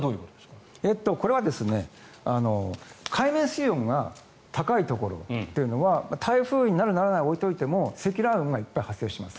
これは海面水温が高いところというのは台風になる、ならないは置いておいても積乱雲がいっぱい発生します。